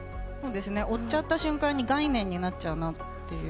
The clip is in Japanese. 追っちゃった瞬間に概念になっちゃうなっていう。